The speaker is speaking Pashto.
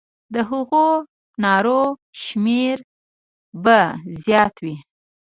د هغو نارو شمېر به زیات وي.